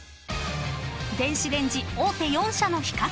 ［電子レンジ大手４社の比較］